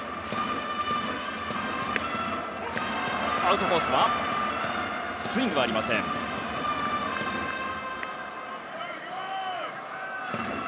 アウトコースはスイングはありませんでした。